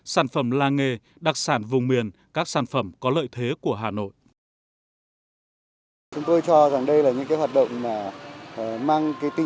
sản phẩm làng nghề đặc sản vùng miền các sản phẩm có lợi thế của hà nội